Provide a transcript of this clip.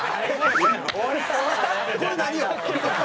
これ何よ？